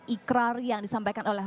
ikrar yang disampaikan oleh